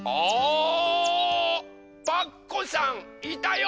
パクこさんいたよ！